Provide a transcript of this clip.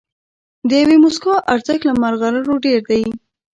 د یوې موسکا ارزښت له مرغلرو ډېر دی.